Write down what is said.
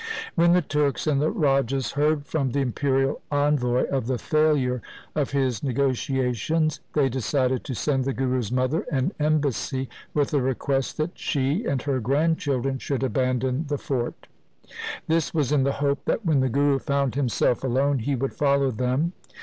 When the Turks and the rajas heard from the imperial envoy of the failure of his negotiations, they decided to send the Guru's mother an embassy with a request that she and her grandchildren should abandon the fort. This was in the hope that when the Guru found himself alone he would follow them.